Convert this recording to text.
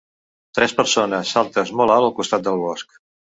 Tres persones saltes molt alt al costat del bosc.